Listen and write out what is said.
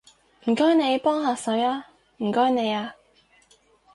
唔該你幫下手吖，唔該你吖